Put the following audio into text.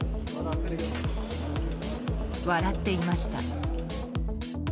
笑っていました。